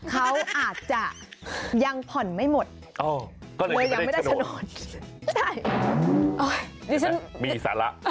เขาอาจจะยังผ่อนไม่หมดโอ้ยังไม่ได้ชโนด